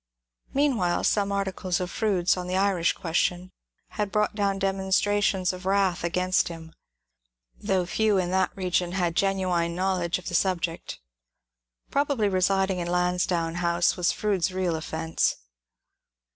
Meanwhile, some article of Fronde's on the Irish question had brought demonstrations of wrath against him, though few in that region had genuine knowledge of the subject. Probably residing in Lansdowne House was Froude's real offence.